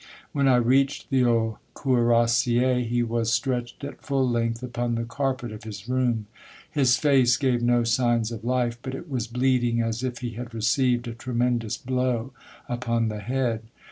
When I reached the old cuirassier, he was stretched at full length upon the carpet of his The Siege of Berlin, 43 room. His face gave no signs of life, but it was bleeding as if he had received a tremendous blow upon the head.